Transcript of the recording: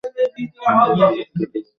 আমি দেশকে সত্যই দেবতা বলে মানি।